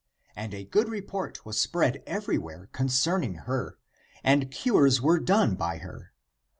And a good report was spread everywhere concerning her, and cures were done by her.